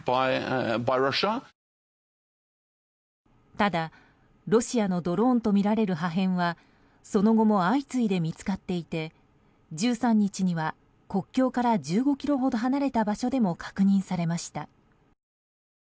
ただ、ロシアのドローンとみられる破片はその後も相次いで見つかっていて１３日には、国境から１５ｋｍほど離れた場所でも確認されました。